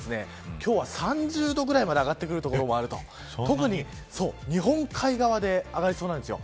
今日は３０度ぐらいまで上がる所もあると特に日本海側で上がりそうなんですよ。